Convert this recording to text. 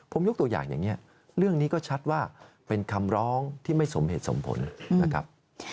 ผมยกตัวอย่างอย่างนี้เรื่องนี้ก็ชัดว่าเป็นคำร้องที่ไม่สมเหตุสมผลนะครับ